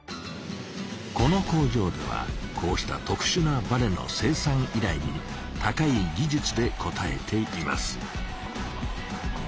この工場ではこうした特しゅなバネの生産いらいに高い技術でこたえています。